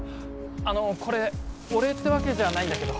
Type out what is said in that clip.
あのこれお礼ってわけじゃないんだけど。